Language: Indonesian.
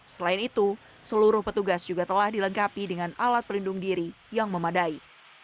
selain itu seluruh petugas juga telah dilengkapi dengan alat pelindung diri yang memadai